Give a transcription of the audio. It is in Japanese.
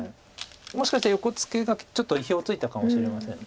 もしかしたら横ツケがちょっと意表をついたかもしれません。